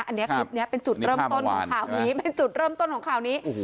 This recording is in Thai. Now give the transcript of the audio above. อันนี้คลิปนี้เป็นจุดเริ่มต้นของข่าวนี้เป็นจุดเริ่มต้นของข่าวนี้